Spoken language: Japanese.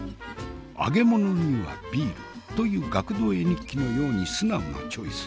「揚げ物にはビール」という学童絵日記のように素直なチョイス。